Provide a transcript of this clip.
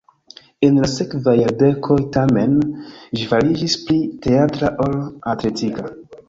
En la sekvaj jardekoj, tamen, ĝi fariĝis pli teatra ol atletika.